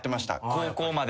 高校まで。